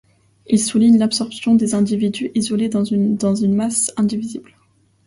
Il souligne l'absorption des individus isolés dans une masse indivisible.